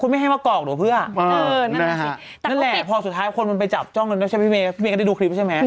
นั่นแหละพอสุดท้ายคนมันไปจับจ้องพี่เมย์ก็ได้ดูคลิปใช่ไหม